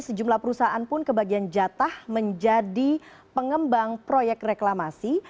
sejumlah perusahaan pun kebagian jatah menjadi pengembang proyek reklamasi